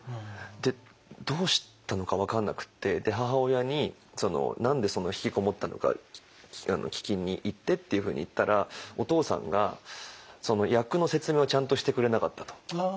でどうしたのか分かんなくって母親に「何でそんな引きこもったのか聞きにいって」っていうふうに言ったら「お父さんが役の説明をちゃんとしてくれなかった」と。